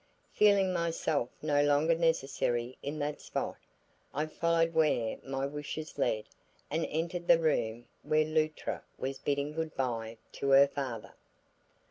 Feeling myself no longer necessary in that spot, I followed where my wishes led and entered the room where Luttra was bidding good bye to her father.